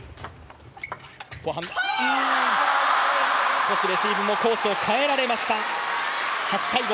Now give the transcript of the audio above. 少しレシーブもコースを変えられました。